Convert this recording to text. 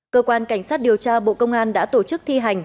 cơ quan cảnh sát điều tra bộ công an đã tổ chức thi hành